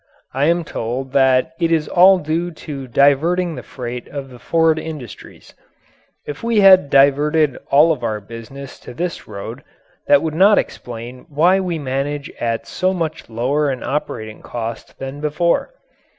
I am told that it is all due to diverting the freight of the Ford industries. If we had diverted all of our business to this road, that would not explain why we manage at so much lower an operating cost than before.